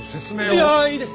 いやいいです！